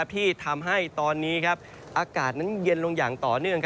ที่ทำให้ตอนนี้อากาศนั้นเย็นลงอย่างต่อเนื่อง